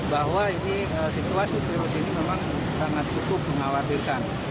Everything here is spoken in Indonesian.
bahwa situasi virus ini memang sangat cukup mengkhawatirkan